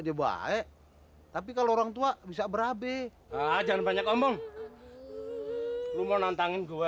dia baik tapi kalau orang tua bisa berabi jangan banyak ngomong lu mau nantangin gue